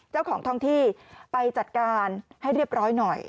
เจ้าของท่องที่ไปจัดการให้เรียบร้อยหน่อย